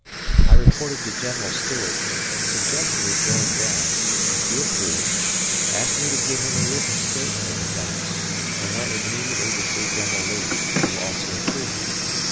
I reported to General Stuart, suggested his going down, he approved, asked me to give him a written statement of the facts, and went immediately to see General Lee, who also approved it.